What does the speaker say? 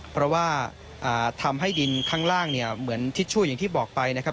เพราะว่าทำให้ดินข้างล่างเนี่ยเหมือนทิชชู่อย่างที่บอกไปนะครับ